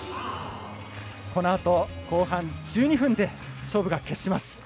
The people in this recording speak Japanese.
このあと、後半１２分で勝負が決します。